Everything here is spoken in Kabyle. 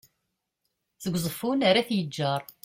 seg uẓeffun ar at yeğğer